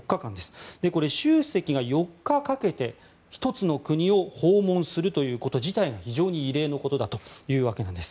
これ、習主席が４日かけて１つの国を訪問するということ自体が非常に異例のことだというわけです。